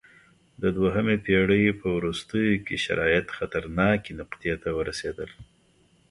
د دویمې پېړۍ په وروستیو کې شرایط خطرناکې نقطې ته ورسېدل